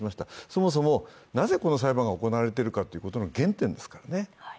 そもそもなぜこの裁判が行われているかということの原点ですからね。